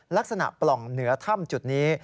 ลักษณะปล่องเหนือถ้ำจุดนี้